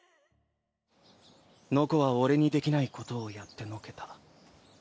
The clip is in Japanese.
ノコは俺にできないことをやってのけた。